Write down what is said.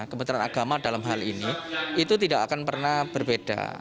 kementerian agama dalam hal ini itu tidak akan pernah berbeda